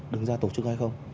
đứng ra tổ chức hay không